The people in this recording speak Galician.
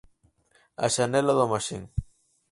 A Xanela do Maxín.